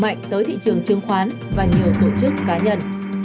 mạnh tới thị trường chứng khoán và nhiều tổ chức cá nhân